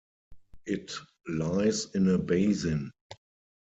It lies in a basin.